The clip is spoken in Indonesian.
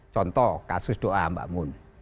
contoh kasus doa mbak mun